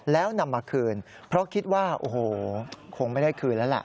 แล้วนำมาคืนเพราะคิดว่าโอ้โหคงไม่ได้คืนแล้วล่ะ